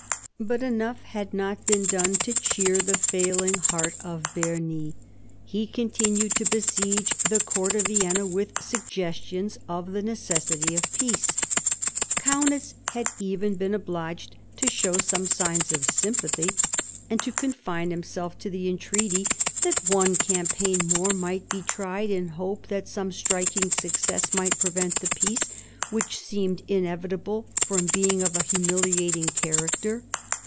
But enough had not been done to cheer the failing heart of Bernis ; he continued to besiege the court of Vienna with sugges tions of the necessity of peace. Kaunitz had even been obliged to show some signs of sympathy, and to confine himself to the entreaty that one campaign more might be tried in hope that some striking success might prevent the peace which seemed inevitable from being of a humiliating character.